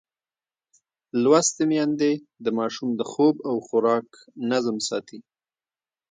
لوستې میندې د ماشوم د خوب او خوراک نظم ساتي.